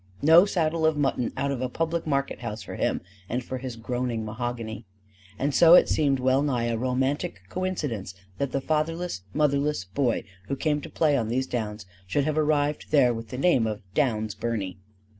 No saddle of mutton out of a public market house for him and for his groaning mahogany. And so it seemed well nigh a romantic coincidence that the fatherless, motherless boy who came to play on these downs should have arrived there with the name of Downs Birney.